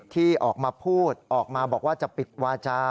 ที่ออกมาพูดออกมาบอกว่าจะปิดวาจา